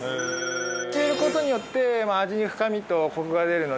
入れる事によって味に深みとコクが出るので。